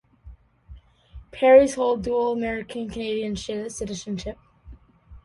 Perry holds dual American-Canadian citizenship.